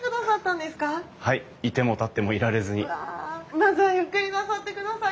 まずはゆっくりなさってください！